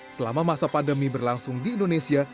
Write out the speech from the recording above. selama masa pandemi berlangsung di indonesia